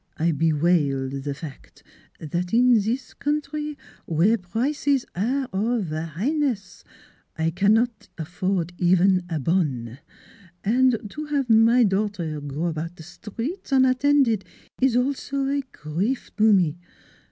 " I bewail the fact that in this country where prices are of a highness I cannot afford even a bonne; and to have my daughter go about the streets unattended is also a grief to me.